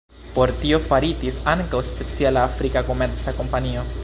Por tio faritis ankaŭ speciala afrika komerca kompanio.